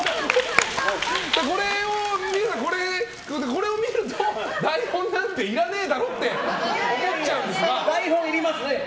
これを見ると台本なんていらねえだろって台本、いりますね。